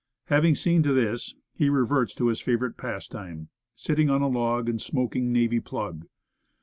Having seen to this, he reverts to his favorite pastime, sitting on a log and smoking navy plug.